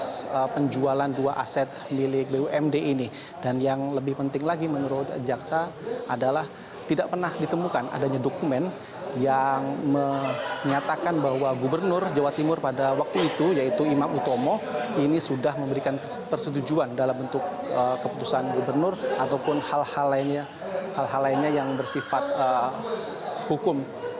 dprd mengatakan bahwa proses penjualan dua aset milik bumd ini dan yang lebih penting lagi menurut jaksa adalah tidak pernah ditemukan adanya dokumen yang menyatakan bahwa gubernur jawa timur pada waktu itu yaitu imam utomo ini sudah memberikan persetujuan dalam bentuk keputusan gubernur ataupun hal hal lainnya yang bersifat hukum